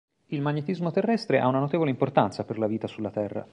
Il magnetismo terrestre ha una notevole importanza per la vita sulla Terra.